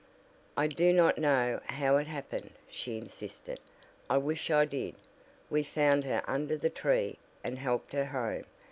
"I do not know how it happened," she insisted, "I wish I did. We found her under the tree, and helped her home.